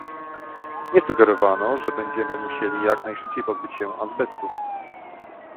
Nie sugerowano, że będziemy musieli jak najszybciej pozbyć się azbestu